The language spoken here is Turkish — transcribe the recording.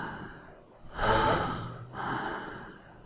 Alacak mısın?